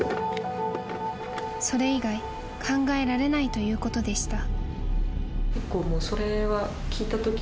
［それ以外考えられないということでした］